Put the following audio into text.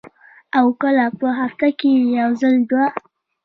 او کله پۀ هفته کښې یو ځل دوه ـ